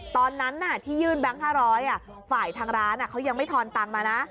ตอนนั้นที่ยื่นแบงค์๕๐๐ฝ่ายทางร้านเขายังไม่ทอนตังค์มานะ